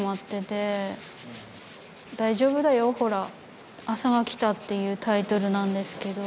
「大丈夫だよ、ほら朝が来た」っていうタイトルなんですけど。